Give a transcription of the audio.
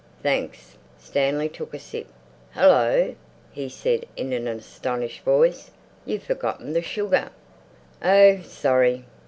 "Thanks!" Stanley took a sip. "Hallo!" he said in an astonished voice, "you've forgotten the sugar." "Oh, sorry!"